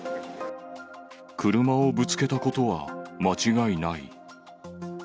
車をぶつけたことは間違いない。